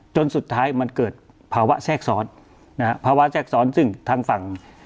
จนสุดท้ายมันเกิดภาวะแทรกซ้อนนะฮะภาวะแทรกซ้อนซึ่งทางฝั่ง